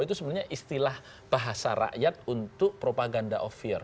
itu sebenarnya istilah bahasa rakyat untuk propaganda of fear